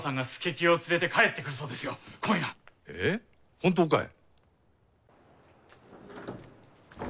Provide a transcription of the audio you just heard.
本当かい？